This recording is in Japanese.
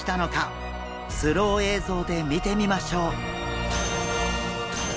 スロー映像で見てみましょう！